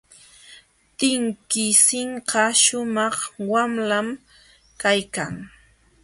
Tinkisinqa shumaq wamlam kaykan.